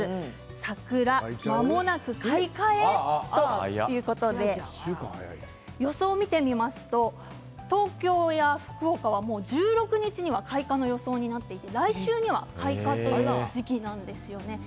桜まもなく開花へということで予想を見てみますと東京や福岡は１６日にはもう開花の予想になって来週には開花という時期なんですね。